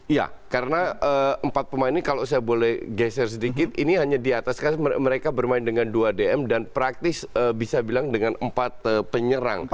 iya karena empat pemain ini kalau saya boleh geser sedikit ini hanya di atas mereka bermain dengan dua dm dan praktis bisa bilang dengan empat penyerang